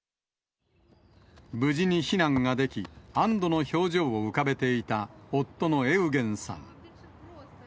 無事に避難ができ、安どの表情を浮かべていた夫のエウゲンさん。